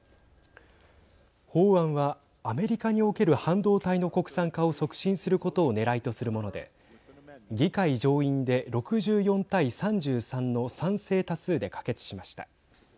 法案は、アメリカにおける半導体の国産化を促進することをねらいとするもので議会上院で６４対３３の賛成多数で可決しました。